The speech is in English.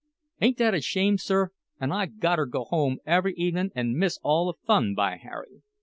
Ain't that a shame, sir? An' I gotter go home every evenin' an' miss all the fun, by Harry!